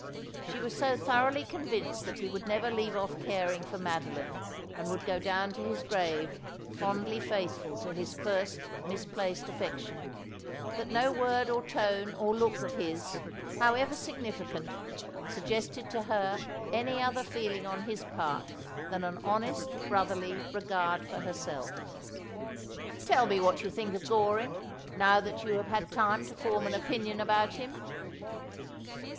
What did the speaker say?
She was so thoroughly convinced that he would never leave ofE caring for Madoline, and would go down to his grave fondly faithful to his first misplaced affection, that no word or tone or look of his, however significant, suggested to her any other feeling on his part than an honest brotherly regard for herself. 132 Asphodel. ' Tell me ■what you think of Goring, now that you have had time to form an opinion about him.'